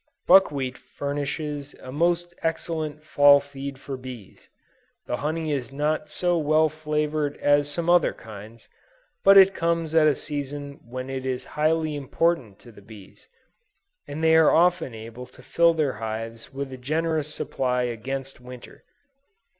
Buckwheat furnishes a most excellent Fall feed for bees; the honey is not so well flavored as some other kinds, but it comes at a season when it is highly important to the bees, and they are often able to fill their hives with a generous supply against Winter.